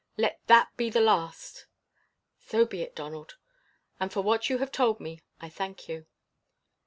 Let that be the last." "So be it, Donald, and for what you have told me I thank you."